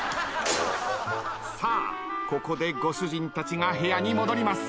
さあここでご主人たちが部屋に戻ります。